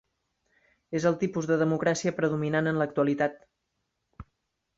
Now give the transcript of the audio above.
És el tipus de democràcia predominant en l'actualitat.